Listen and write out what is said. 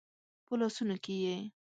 په لاسونو کې یې